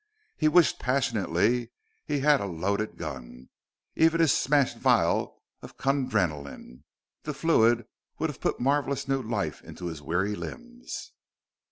He wished passionately he had a loaded gun even his smashed vial of Kundrenaline. The fluid would have put marvelous new life in his weary limbs.